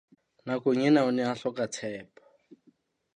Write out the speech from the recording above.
Nakong ena o ne a hloka tshepo.